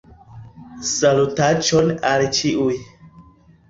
Salutaĉon al ĉiuj